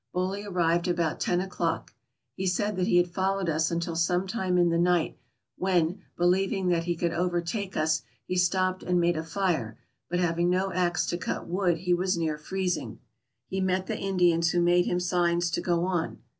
Boley arrived about ten o'clock. He said that he had followed us until some time in the night, when, believing that he could overtake us, he stopped and made a fire, but having no axe to cut wood he was near freezing. He met the Indians, who made him signs to go on.